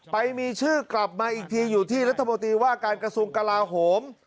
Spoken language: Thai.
ไปมีชื่อกลับมาอีกทีอยู่ที่รัฐมนตรีว่าการกระทรวงกลาโหม